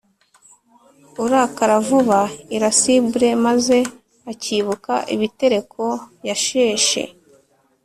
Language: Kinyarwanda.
urakara vuba (irascible) maze akibuka ibitereko yasheshe.